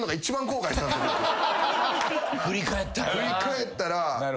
振り返ったらな。